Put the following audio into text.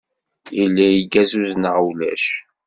Yella lgazuz neɣ ulac?